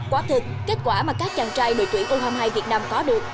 quá thực kết quả mà các chàng trai đội tuyển u hai mươi hai việt nam có được